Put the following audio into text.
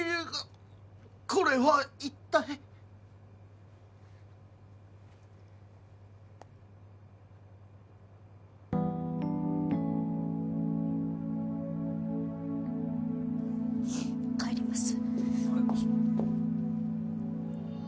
これは一体帰ります